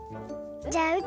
じゃあう